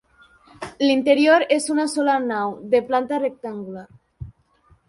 L'interior és una sola nau, de planta rectangular.